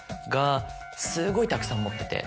すごいたくさん持ってて。